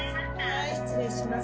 はい失礼します。